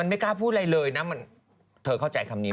หมายถึงว่าหน้าปัจจุบันนี้